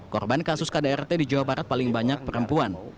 korban kasus kdrt di jawa barat paling banyak perempuan